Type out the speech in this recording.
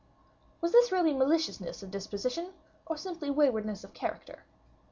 Was this really maliciousness of disposition or simply waywardness of character?